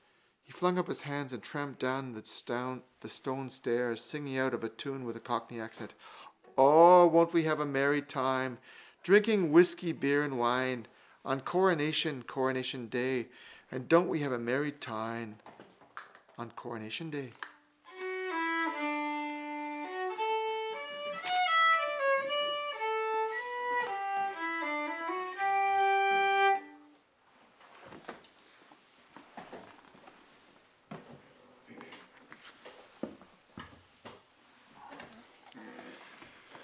He flung up his hands and tramped down the stone stairs, singing out of tune with a Cockney accent: O, won't we have a merry time, Drinking whisky, beer and wine! On coronation, Coronation day! O, won't we have a merry time On coronation day!